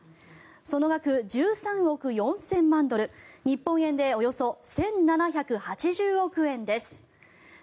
その額１３億４０００万ドル日本円でおよそ１７８０億円です。